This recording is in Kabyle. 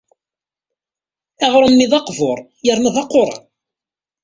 Aɣrum-nni d aqbur yerna d aquran.